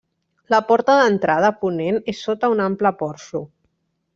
La porta d'entrada, a ponent, és sota un ample porxo.